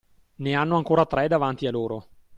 Ne hanno ancora tre davanti a loro!